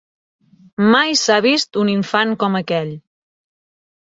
Mai s'ha vist un infant com aquell